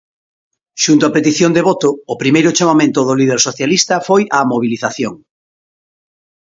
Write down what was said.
Xunto a petición de voto, o primeiro chamamento do líder socialista foi á "mobilización".